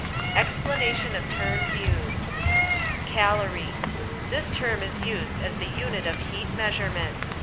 Explanation of terms used Calorie — This term is used as the unit of heat measurement.